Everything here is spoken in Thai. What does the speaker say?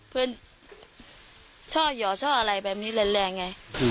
เพื่อนชอบเยาะชอบอะไรแบบนี้แรงไง